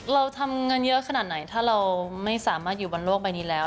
เราทำงานเยอะขนาดไหนถ้าเราไม่สามารถอยู่บนโลกใบนี้แล้ว